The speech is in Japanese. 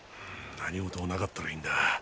何事もなかったらいいんだが。